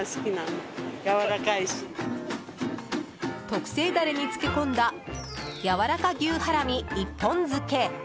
特製ダレに漬け込んだ、やわらか牛ハラミ１本漬け。